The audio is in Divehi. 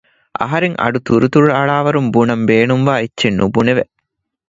އަހަރެން އަޑު ތުރުތުރު އަޅާވަރުން ބުނަން ބޭނުންވާ އެއްޗެއް ނުބުނެވެ